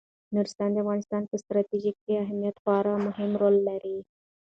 نورستان د افغانستان په ستراتیژیک اهمیت کې خورا مهم رول لري.